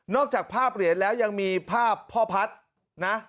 นอกจากภาพเหลียนแล้วยังมีภาพพ่อพัทธ์